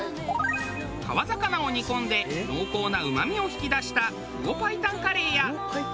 川魚を煮込んで濃厚なうまみを引き出した魚白湯カレーや。